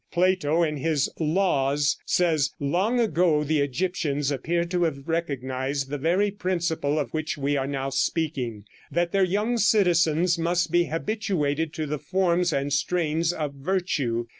Plato in his "Laws," says: "Long ago the Egyptians appear to have recognized the very principle of which we are now speaking that their young citizens must be habituated to the forms and strains of virtue.